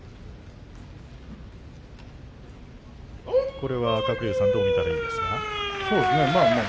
これは鶴竜さんどう見たらいいですか。